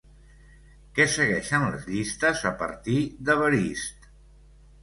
Què segueixen les llistes a partir d'Evarist?